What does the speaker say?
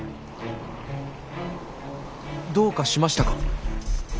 どうかしましたか？